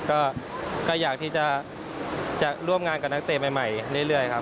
ก็อยากที่จะร่วมงานกับนักเตะใหม่เรื่อยครับ